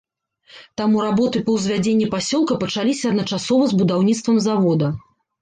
Таму работы па ўзвядзенні пасёлка пачаліся адначасова з будаўніцтвам завода.